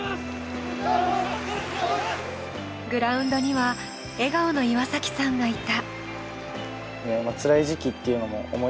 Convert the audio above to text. グラウンドには笑顔の岩崎さんがいた。